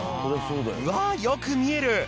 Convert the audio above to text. わあよく見える！